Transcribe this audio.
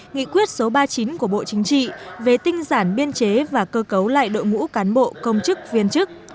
nghị quyết số ba mươi chín của bộ chính trị về tinh giản biên chế và cơ cấu lại đội ngũ cán bộ công chức viên chức